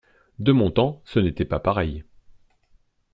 De mon temps, ce n’était pas pareil.